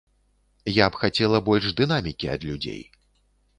Я б хацела больш дынамікі ад людзей.